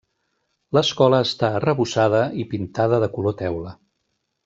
L'escola està arrebossada i pintada de color teula.